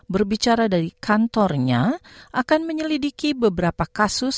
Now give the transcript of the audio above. berbicara dari kantornya akan menyelidiki beberapa kasus